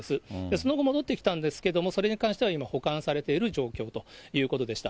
その後戻ってきたんですけど、それに関しては今、保管されている状況ということでした。